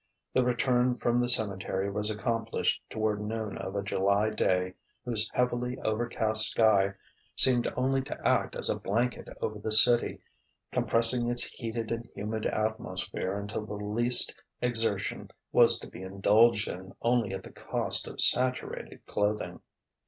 The return from the cemetery was accomplished toward noon of a July day whose heavily overcast sky seemed only to act as a blanket over the city, compressing its heated and humid atmosphere until the least exertion was to be indulged in only at the cost of saturated clothing.